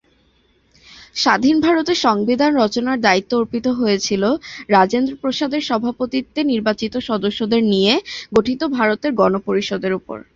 স্বাধীন ভারতে সংবিধান রচনার দায়িত্ব অর্পিত হয়েছিল রাজেন্দ্র প্রসাদের সভাপতিত্বে নির্বাচিত সদস্যদের নিয়ে গঠিত ভারতের গণপরিষদের উপর।